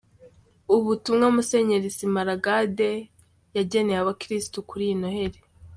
Ubutumwa Musenyeri Simaragde yageneye abakirisitu kuri iyi Noheli